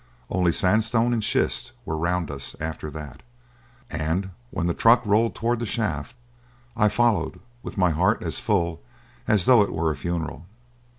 Only sandstone and schist were round us after that, and when the truck rolled towards the shaft, I followed, with my heart as full as though it were a funeral.